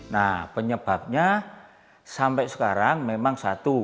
nah penyebabnya sampai sekarang memang satu